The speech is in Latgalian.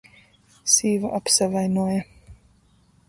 Sīva apsavainuoja.